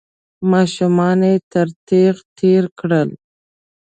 ماشومان يې تر تېغ تېر کړل.